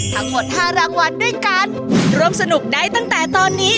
ทั้งหมดห้ารางวัลด้วยกันร่วมสนุกได้ตั้งแต่ตอนนี้